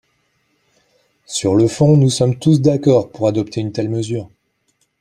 Sur le fond, nous sommes tous d’accord pour adopter une telle mesure.